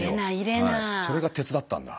それが鉄だったんだ。